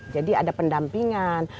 jadi ada pendampingan